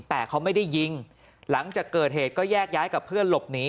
แต่เขาไม่ได้ยิงหลังจากเกิดเหตุก็แยกย้ายกับเพื่อนหลบหนี